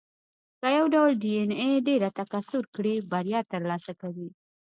که یو ډول ډېایناې ډېره تکثر کړي، بریا ترلاسه کوي.